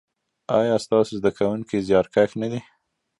ایا ستاسو زده کونکي زیارکښ نه دي؟